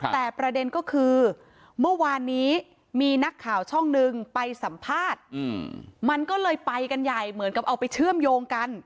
แต่ประเด็นก็คือเมื่อวานนี้มีนักข่าวช่องนึงไปสัมภาษณ์มันก็เลยไปกันใหญ่เหมือนกับเอาไปเชื่อมโยงกัน